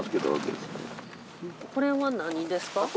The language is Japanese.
これは何ですか？